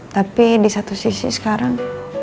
tapi di satu sisi sekarang